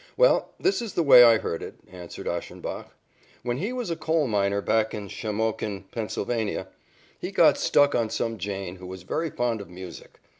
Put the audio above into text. "Well, this is the way I heard it," answered Ashenbach. "When he was a coal miner back in Shamokin, Pennsylvania, he got stuck on some Jane who was very fond of music.